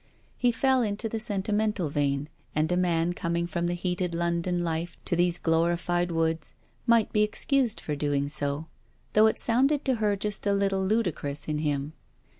He fell into the sentimental vein, and a man coming from that heated London life to these glorified woods, might be excused for doing so, though it sounded to her just a little ludicrous in him.